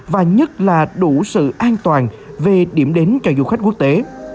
và nhất là đủ sự an toàn về điểm đến cho du khách quốc tế